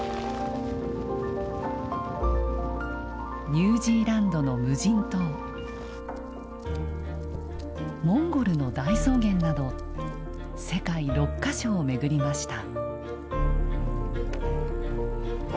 ニュージーランドの無人島モンゴルの大草原など世界６か所を巡りました。